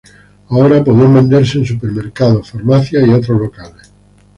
Ahora podían venderse en supermercados, farmacias y otros locales.